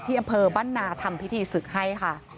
ที่อำเภอบ้านนาทำพิธีศึกให้